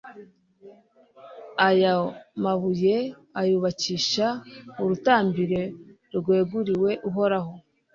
Ayo mabuye ayubakisha urutambiro rweguriwe Uhoraho